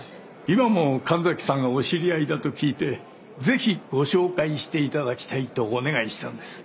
今も神崎さんがお知り合いだと聞いてぜひご紹介していただきたいとお願いしたんです。